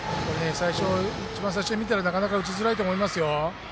一番最初に見たらなかなか打ちづらいと思いますよ。